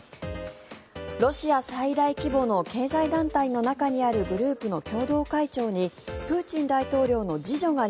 ロシア最大規模の経済団体の中にあるグループの共同会長にプーチン大統領の次女が